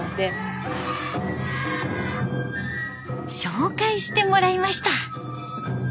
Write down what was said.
紹介してもらいました。